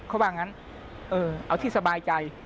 เขาว่างั้นเอาที่สบายใจ